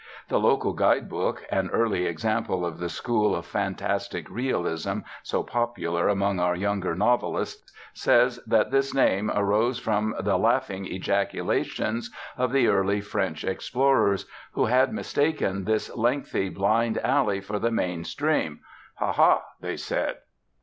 The local guide book, an early example of the school of fantastic realism so popular among our younger novelists, says that this name arose from the 'laughing ejaculations' of the early French explorers, who had mistaken this lengthy blind alley for the main stream. 'Ha! Ha!' they said.